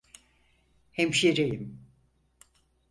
Hemşireyim.